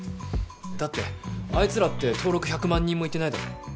だってあいつらって登録１００万人もいってないだろ？